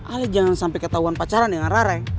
ale jangan sampe ketauan pacaran dengan rara ya